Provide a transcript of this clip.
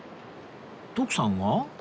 徳さんは？